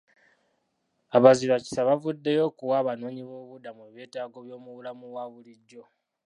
Abazirakisa bavuddeyo okuwa abanoonyiboobubudamu ebyetaago by'omu bulamu obwa bulijjo.